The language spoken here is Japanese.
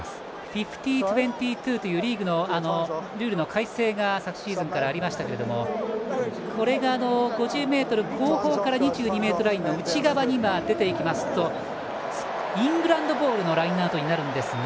フィフティー２２というリーグのルール改正が昨シーズンからありましたが５０ｍ後方から２２ｍラインの内側に出て行きますとイングランドボールのラインアウトになるんですが。